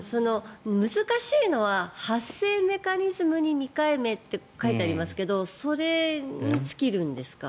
難しいのは発生メカニズムに未解明って書いてありますけどそれに尽きるんですか？